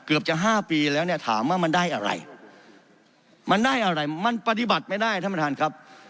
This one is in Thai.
เกือบจะห้าปีแล้วเนี่ยถามว่ามันได้อะไรมันได้อะไรมันปฏิบัติไม่ได้ท่านประธานครับ